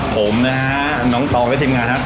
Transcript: ผมนะฮะน้องตองและทีมงานครับ